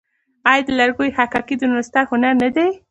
آیا د لرګیو حکاکي د نورستان هنر نه دی؟